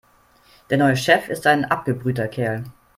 Der neue Chef ist ein abgebrühter Kerl.